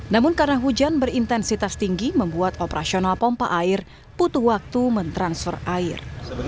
namun karena hujan berintensitas tinggi membuat operasional pompa air butuh waktu mentransfer air